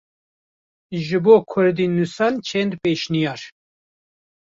Ji bo kurdînûsan çend pêşniyar.